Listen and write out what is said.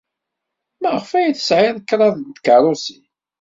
Maɣef ay tesɛid kraḍt n tkeṛṛusin?